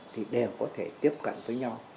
thì đều có thể tiếp cận với nhau